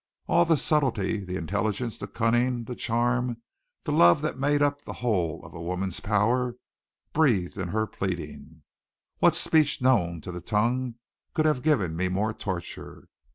All the subtlety, the intelligence, the cunning, the charm, the love that made up the whole of woman's power, breathed in her pleading. What speech known to the tongue could have given me more torture?